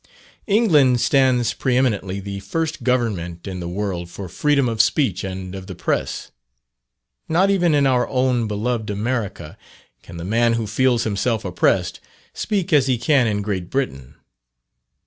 England stands pre eminently the first government in the world for freedom of speech and of the press. Not even in our own beloved America, can the man who feels himself oppressed speak as he can in Great Britain.